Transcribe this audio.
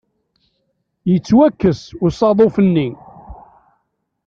Yettwakkes usaḍuf-nni.